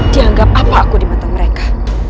dianggap apa aku di mata mereka